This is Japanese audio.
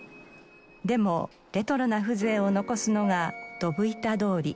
でもレトロな風情を残すのがどぶ板通り。